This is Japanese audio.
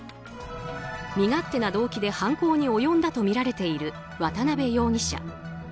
身勝手な動機で犯行に及んだとみられている渡辺容疑者。